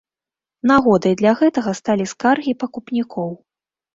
Нагодай для гэтага сталі скаргі пакупнікоў.